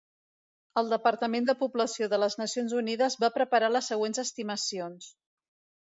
El Departament de Població de les Nacions Unides va preparar les següents estimacions.